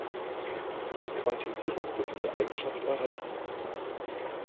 Durch Quantisierung wird diese Eigenschaft erhalten.